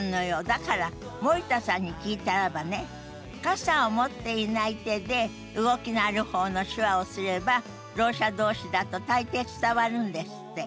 だから森田さんに聞いたらばね傘を持っていない手で動きのある方の手話をすればろう者同士だと大抵伝わるんですって。